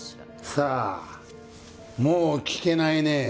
さあもう聞けないねえ。